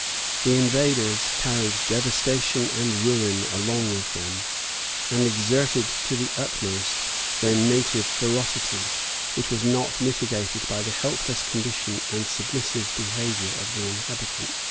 The invaders carried devastation and ruin along with them; and exerted to the utmost their native ferocity, which was not mitigated by the helpless condition and submissive behavior of the inhabitants.